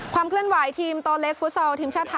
เคลื่อนไหวทีมโตเล็กฟุตซอลทีมชาติไทย